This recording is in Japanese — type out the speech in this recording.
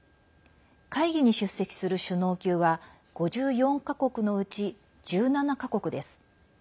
会議に出席する首脳級は５４か国のうち１７か国です。